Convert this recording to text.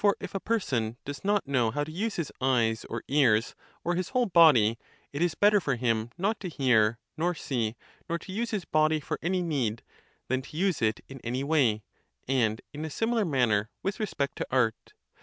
if a person does not know how to use his eyes or ears, or his whole body, it is bet ter for him not to hear, nor see, nor to use his body for any need, than to use it in any way ; and in a similar manner with respect to art.